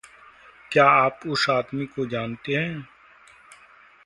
क्या आप उस आदमी को जानते हैं?